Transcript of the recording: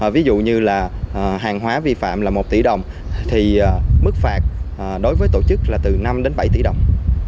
ví dụ như là hàng hóa vi phạm là một tỷ đồng thì mức phạt đối với tổ chức là từ năm đến bảy tỷ đồng